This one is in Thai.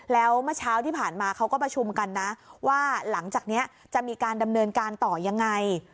แล้วเมื่อเช้าที่ผ่านมาเขาก็ประชุมกันนะว่าหลังจากนี้จะมีการดำเนินการต่อยังไง